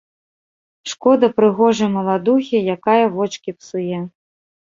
Шкода прыгожай маладухі, якая вочкі псуе.